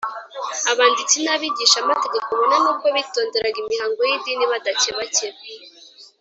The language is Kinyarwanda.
abanditsi n’abigishamategeko, bona nubwo bitonderaga imihango y’idini badakebakeba,